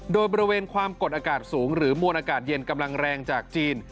โดยบริเวณความกดอากาศสูงหรือมวลอากาศเย็นกำลังแรงจากจีน